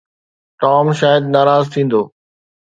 Tom شايد ناراض ٿيندو.